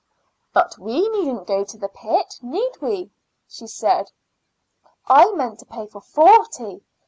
"But we needn't go to the pit, need we?" she said. "I meant to pay for forty.